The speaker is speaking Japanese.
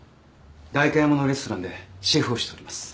代官山のレストランでシェフをしております。